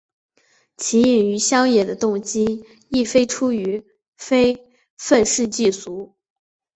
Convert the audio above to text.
其隐于乡野的动机亦非出于非愤世嫉俗。